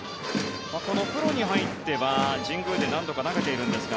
プロに入っては神宮で何度か投げているんですが